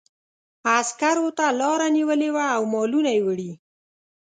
عسکرو ته لاره نیولې وه او مالونه یې وړي.